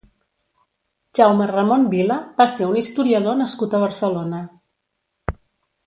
Jaume Ramon Vila va ser un historiador nascut a Barcelona.